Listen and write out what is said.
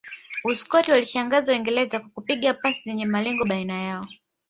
Uskoti waliwashangaza uingereza kwa kupiga pasi zenye malengo baina yao